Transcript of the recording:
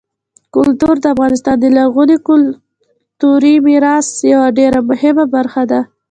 کلتور د افغانستان د لرغوني کلتوري میراث یوه ډېره مهمه برخه ده.